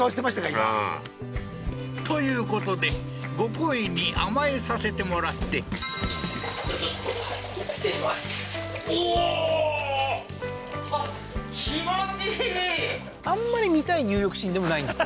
今ということでご厚意に甘えさせてもらってあんまり見たい入浴シーンでもないんですけどね